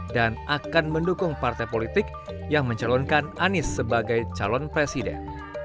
dan akan mendukung partai politik yang mencalonkan anies sebagai calon presiden